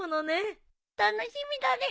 楽しみだね。